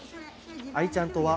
愛ちゃんとは、